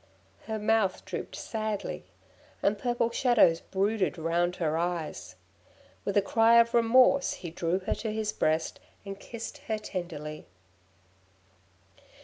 Her mouth drooped sadly, and purple shadows brooded round her eyes. With a cry of remorse he drew her to his breast, and kissed her tenderly.